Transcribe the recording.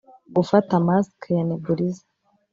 gufata mask ya nebulizer